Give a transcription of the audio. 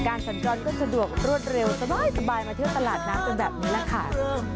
การสันกรรมก็สะดวกรวดเร็วสบายสบายมาเที่ยวตลาดน้ำเป็นแบบนี้แหละค่ะ